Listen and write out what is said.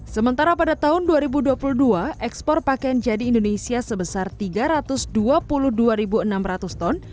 sementara pada tahun dua ribu dua puluh dua ekspor pakaian jadi indonesia sebesar tiga ratus dua puluh dua enam ratus ton